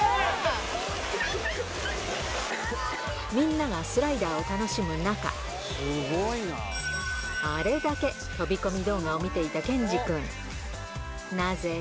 みんながスライダーを楽しむ中、あれだけ飛び込み動画を見ていたケンジくん。